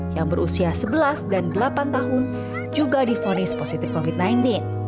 yang berusia sebelas dan delapan tahun juga difonis positif covid sembilan belas